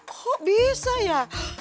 kok bisa ya